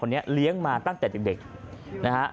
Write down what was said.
เลี้ยงมาตั้งแต่เด็กนะฮะ